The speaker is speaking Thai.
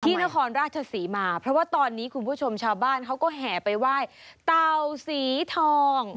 นครราชศรีมาเพราะว่าตอนนี้คุณผู้ชมชาวบ้านเขาก็แห่ไปไหว้เต่าสีทอง